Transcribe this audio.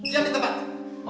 diam di tempat